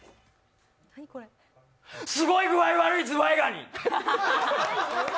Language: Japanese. すごい具合悪いズワイガニ。